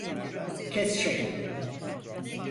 Kes şunu!